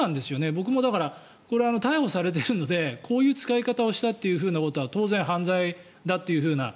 僕も、これ逮捕されているのでこういう使い方をしたということは当然、犯罪だというような。